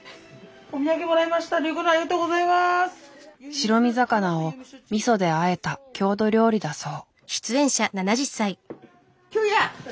白身魚をみそであえた郷土料理だそう。